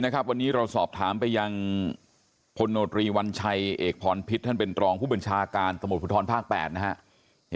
เขาไม่ได้เกร็งกลัวยเลย